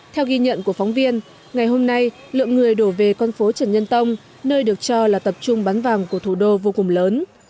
theo ghi nhận của phóng viên ngày hôm nay lượng người đổ về con phố trần nhân tông nơi được cho là tập trung bán vàng của thủ đô vô cùng lớn